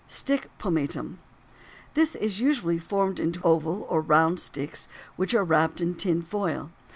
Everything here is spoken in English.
STICK POMATUM. This is usually formed into oval or round sticks which are wrapped in tin foil.